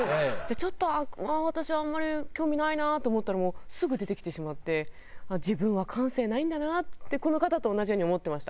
ちょっと私あんまり興味ないなと思ったらもうすぐ出てきてしまって自分は感性ないんだなってこの方と同じように思ってました。